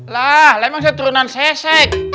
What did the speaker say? lah lah emang saya turunan sesek